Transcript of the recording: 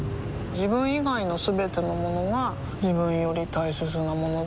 自分以外のすべてのものが自分より大切なものだと思いたい